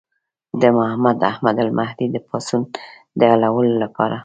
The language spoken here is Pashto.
د محمد احمد المهدي د پاڅون د حلولو لپاره.